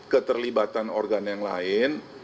keterlibatan organ yang lain